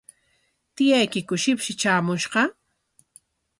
¿Tiyaykiku shipshi traamushqa?